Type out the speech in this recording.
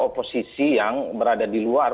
oposisi yang berada di luar